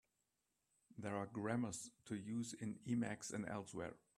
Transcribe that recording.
There are grammars to use in Emacs and elsewhere.